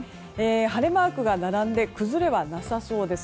晴れマークが並んで崩れはなさそうです。